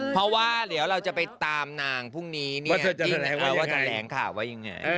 เพราะว่าเดี๋ยวเราจะไปตามนางพรุ่งนี้ว่าจะแถลงข่าวว่ายังไง